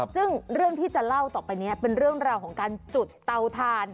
ซึ่งเรื่องที่จะเล่าต่อไปนี้เป็นเรื่องราวของการจุดเตาทาน